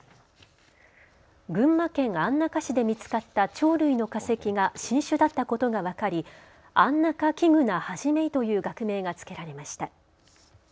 群馬県安中市で見つかった鳥類の化石が新種だったことが分かりアンナカキグナハジメイという学名がつけられました。